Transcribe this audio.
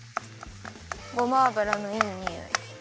ごま油のいいにおい。